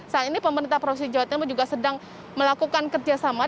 saat ini pemerintah provinsi jawa timur juga sedang melakukan kerjasama